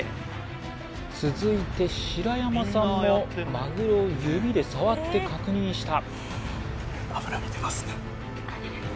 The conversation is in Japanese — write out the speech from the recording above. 続いて白山さんもマグロを指で触って確認した